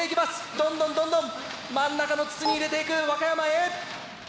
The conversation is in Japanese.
どんどんどんどん真ん中の筒に入れていく和歌山Ａ！